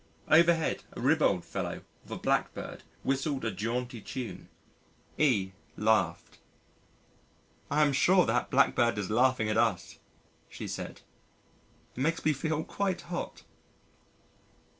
Overhead, a ribald fellow of a Blackbird whistled a jaunty tune. E laughed. "I am sure that Blackbird is laughing at us," she said. "It makes me feel quite hot."